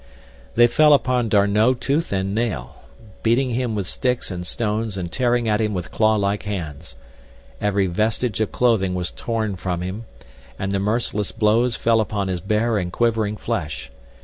They fell upon D'Arnot tooth and nail, beating him with sticks and stones and tearing at him with claw like hands. Every vestige of clothing was torn from him, and the merciless blows fell upon his bare and quivering flesh.